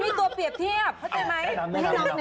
มีตัวเปรียบเทียบเข้าใจไหม